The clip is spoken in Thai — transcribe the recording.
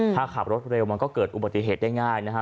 ถ้าขับรถเร็วมันก็เกิดอุบัติเหตุได้ง่ายนะฮะ